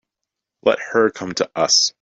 Let her come to us.